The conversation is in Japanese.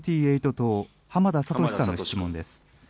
党、浜田聡さんの質問です。